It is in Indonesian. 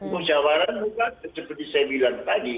pusawaran juga seperti saya bilang tadi